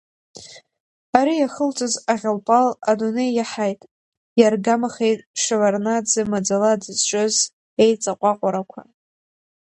Ари иахылҵыз аӷьал-пал адунеи иаҳаит, иаргамахеит Шеварднаӡе маӡала дызҿыз еиҵаҟәаҟәарақәа.